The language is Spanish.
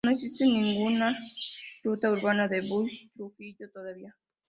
No existe ninguna ruta urbana del Bus Trujillo todavía.